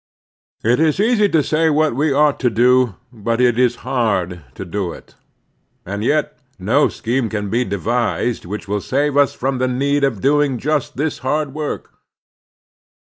It is easy to say what we ought to do, but it is hard to do it ; and yet no scheme can be devised which will save us from the need of doing just The Two Americas 227 this hard work.